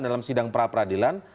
dalam sidang pra peradilan